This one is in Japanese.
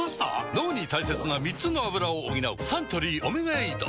脳に大切な３つのアブラを補うサントリー「オメガエイド」